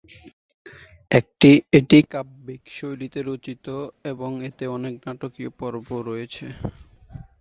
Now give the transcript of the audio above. এটি কাব্যিক শৈলীতে রচিত এবং এতে অনেক নাটকীয় পর্ব রয়েছে।